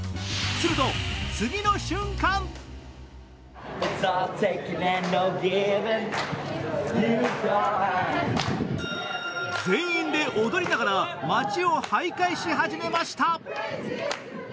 その次の瞬間全員で踊りながら街をはいかいし始めました。